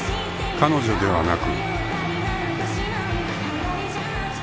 ［彼ではなく］